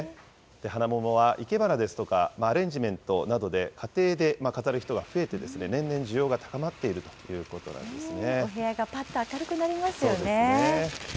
ハナモモは生け花ですとか、アレンジメントなどで家庭で飾る人が増えて年々需要が高まっているということなんですね。